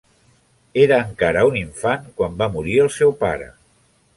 Era encara un infant quan va morir el seu pare.